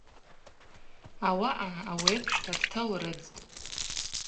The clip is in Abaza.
Ауаъа ауепшта дталрыдзтӏ.